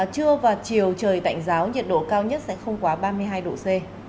trưa và chiều trời tạnh giáo nhiệt độ cao nhất sẽ không quá ba mươi hai độ c